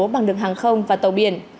bằng đường hàng không và tàu biển